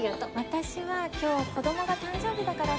私は今日子どもが誕生日だからさ。